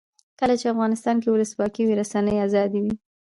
کله چې افغانستان کې ولسواکي وي رسنۍ آزادې وي.